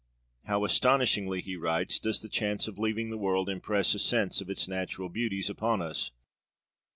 'How astonishingly,' he writes, ' ...does the chance of leaving the world impress a sense of its natural beauties upon us!